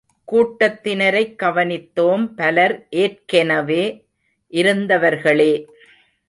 கூட்டத்தினரைக் கவனித்தோம் பலர் ஏற்கெனவே இருந்தவர்களே.